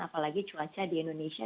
apalagi cuaca di indonesia